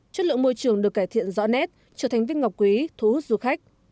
chất lượng môi trường được cải thiện rõ nét trở thành viên ngọc quý thu hút du khách